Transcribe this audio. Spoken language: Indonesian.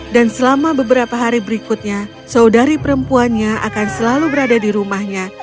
dan selama beberapa hari berikutnya saudari perempuannya akan selalu berada di rumahnya